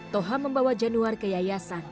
toha membawa januar ke yayasan